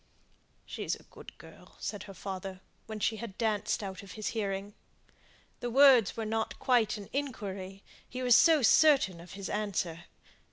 "She's a good girl," said her father, when she had danced out of hearing. The words were not quite an inquiry, he was so certain of his answer.